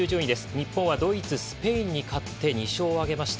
日本はドイツ、スペインに勝って２勝を挙げました。